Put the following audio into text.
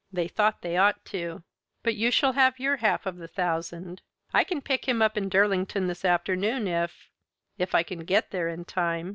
They thought they ought to. But you shall have your half of the thousand. I can pick him up in Derlingport this afternoon if if I can get there in time.